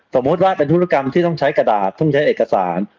สมมุติว่าเป็นธุรกรรมที่ต้องใช้กระดาษต้องใช้เอกสาร